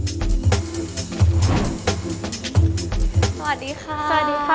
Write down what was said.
สวัสดีค่ะ